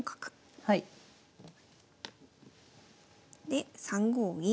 で３五銀。